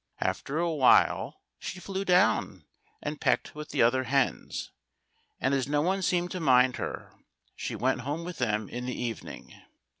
After a while she flew down and pecked with the other hens, and as no one seemed to mind her, she went home with them in the evening.